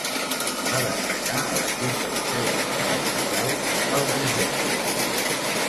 Va destacar a l'equip de la seua ciutat natal, el Rijeka.